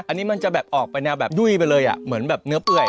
อันนี้มันจะแบบออกไปแนวแบบดุ้ยไปเลยอ่ะเหมือนแบบเนื้อเปื่อย